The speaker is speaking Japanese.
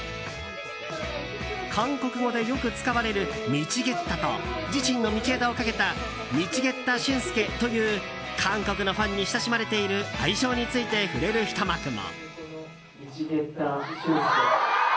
韓国語でよく使われる「ミチゲッタ」と自身の「道枝」をかけた「ミチゲッタシュンスケ」という韓国のファンに親しまれている愛称について触れるひと幕も。